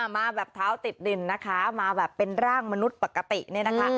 มาแบบเท้าติดดินนะคะมาแบบเป็นร่างมนุษย์ปกติเนี่ยนะคะ